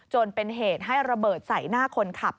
จนเป็นเหตุให้ระเบิดใส่หน้าคนขับ